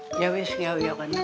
oh yaudah yaudah